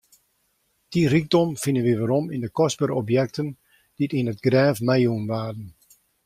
Dy rykdom fine wy werom yn kostbere objekten dy't yn it grêf meijûn waarden.